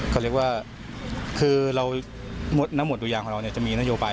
ก็เรียกว่าคือน้ำหวดตัวยางของเราจะมีนโยบาย